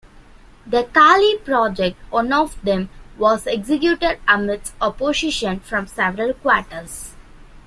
The Kali project, one of them, was executed amidst opposition from several quarters.